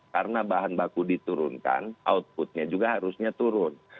karena bahan baku diturunkan outputnya juga harusnya turun